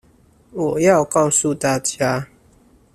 我要告訴大家